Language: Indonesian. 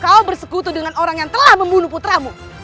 kau bersekutu dengan orang yang telah membunuh putramu